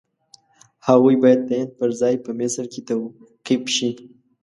هغوی باید د هند پر ځای په مصر کې توقیف شي.